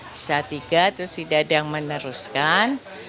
di salah tiga terus tidak ada yang meneruskan